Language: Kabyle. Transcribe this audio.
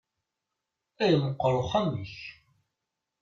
Ay meqqer uxxam-ik!